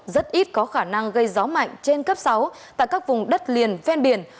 rất ít có khả năng gây gió mạnh trên cấp sáu tại các vùng đất liền ven biển